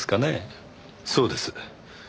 そうです。